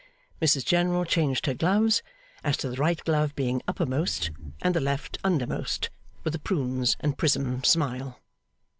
Mrs General changed her gloves, as to the right glove being uppermost and the left undermost, with a Prunes and Prism smile.